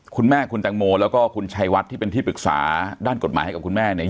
คุณแม่คุณแตงโมแล้วก็คุณชัยวัดที่เป็นที่ปรึกษาด้านกฎหมายให้กับคุณแม่เนี่ย